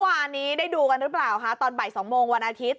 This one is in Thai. วันนี้ได้ดูกันหรือเปล่าคะตอนบ่าย๒โมงวันอาทิตย